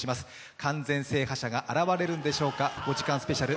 完全制覇者が現れるんでしょうか。